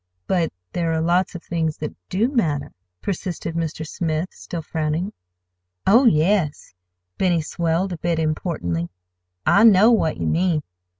"But there are lots of things that do matter," persisted Mr. Smith, still frowning. "Oh, yes!" Benny swelled a bit importantly, "I know what you mean.